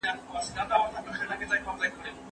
نظري پوښتنې زموږ د فکر د پراخوالي لامل کېږي.